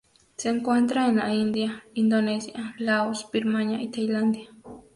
Se encuentra en la India, Indonesia, Laos, Birmania, y Tailandia.